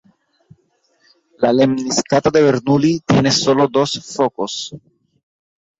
La lemniscata de Bernoulli tiene solo dos focos.